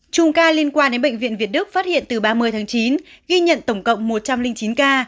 trung ca liên quan đến bệnh viện việt đức phát hiện từ ba mươi tháng chín ghi nhận tổng cộng một trăm linh chín ca